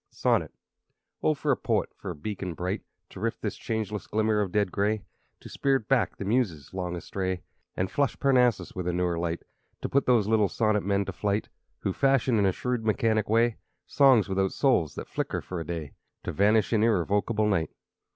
Sonnet Oh for a poet for a beacon bright To rift this changeless glimmer of dead gray; To spirit back the Muses, long astray, And flush Parnassus with a newer light; To put these little sonnet men to flight Who fashion, in a shrewd, mechanic way, Songs without souls, that flicker for a day, To vanish in irrevocable night.